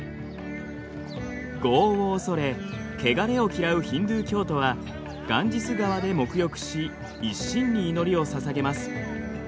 業を恐れ汚れを嫌うヒンドゥー教徒はガンジス川で沐浴し一心に祈りをささげます。